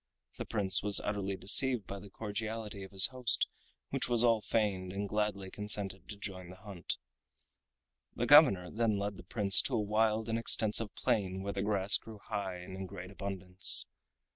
The Prince was utterly deceived by the cordiality of his host, which was all feigned, and gladly consented to join in the hunt. The governor then led the Prince to a wild and extensive plain where the grass grew high and in great abundance.